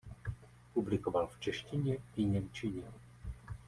Publikoval v češtině i němčině.